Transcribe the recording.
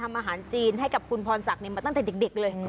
อาหารจีนให้กับคุณพรศักดิ์มาตั้งแต่เด็กเลย